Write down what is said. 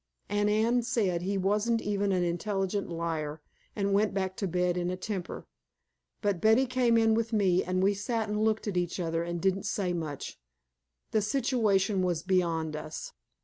And Anne said he wasn't even an intelligent liar, and went back to bed in a temper. But Betty came in with me, and we sat and looked at each other and didn't say much. The situation was beyond us.